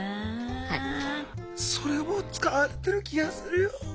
それも使われてる気がするよ。